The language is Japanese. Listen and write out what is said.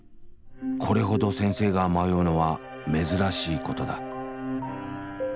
これほど先生が迷うのは珍しいことだ。